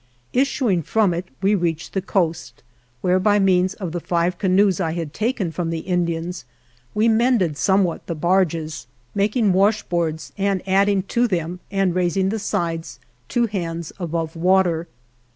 Issuing from it we reached the coast, where by means of the five canoes I had taken from the Indians we mended somewhat the barges, making 4i THE JOURNEY OF washboards and adding to them and raising the sides two hands above water.